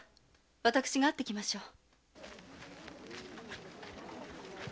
私が会ってきましょう。